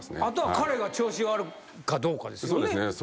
あとは彼が調子悪いかどうかですよね。